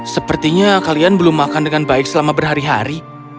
sepertinya kalian belum makan dengan baik selama berhari hari